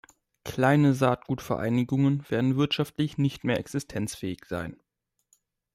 Kleine Saatgutvereinigungen werden wirtschaftlich nicht mehr existenzfähig sein.